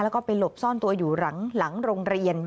แล้วก็ไปหลบซ่อนตัวอยู่หลังโรงเรียน